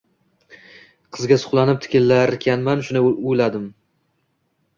Qizga suqlanib tikilarkanman shuni o’ladim.